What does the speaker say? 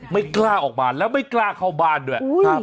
ไม่กล้าออกมาแล้วไม่กล้าเข้าบ้านด้วย